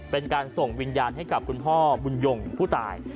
เป็นการส่งวิญญาณให้กับคุณพ่อบุญยงผู้ตาย